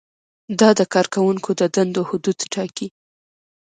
دا د کارکوونکو د دندو حدود ټاکي.